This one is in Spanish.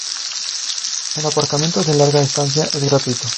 El aparcamiento de larga estancia es gratuito.